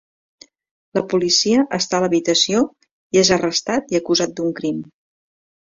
La policia està a l'habitació i és arrestat i acusat d'un crim.